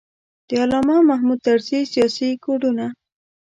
د علامه محمود طرزي سیاسي کوډونه.